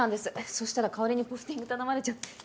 そしたら代わりにポスティング頼まれちゃって。